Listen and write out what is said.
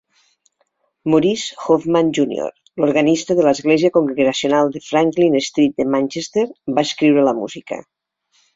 Maurice Hoffman Junior, l'organista de l'església congregacional de Franklin Street de Manchester, va escriure la música.